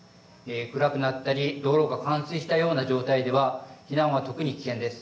暗くなったり道路が冠水したような状態では、避難は特に危険です。